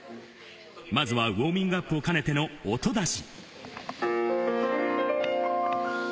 まずはウオーミングアップを兼ねての音だし。